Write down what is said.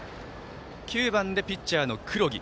９番でピッチャーの黒木。